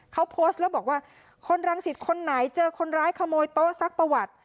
เขาโพสต์แล้วบอกว่าคนรังสิตคนไหนเจอคนร้ายขโมยโต๊ะซักประวัติ